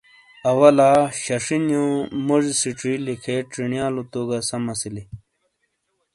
آواہ لہ ششی نیو موزی سیچی لکھے چھینیا لو تو گہ سم اسیلی۔